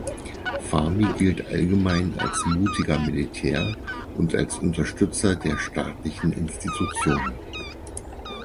Fahmi gilt allgemein als mutiger Militär und als Unterstützer der staatlichen Institutionen.